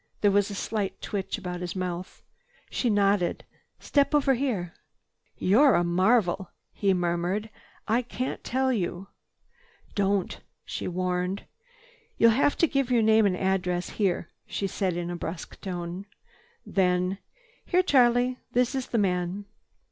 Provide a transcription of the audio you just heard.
There was a slight twitch about his mouth. She nodded. "Step over here." "You're a marvel!" he murmured. "I can't tell you—" "Don't," she warned. "You'll have to give your name and address here," she said in a brusque tone. Then, "Here Charlie. This is the man."